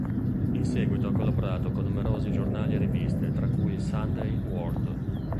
In seguito ha collaborato con numerosi giornali e riviste, tra cui il "Sunday World".